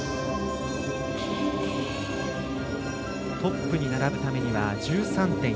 トップに並ぶためには１３．４３４。